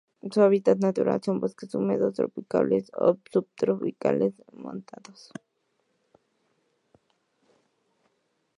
Su hábitat natural son bosques húmedos tropicales o subtropicales montanos.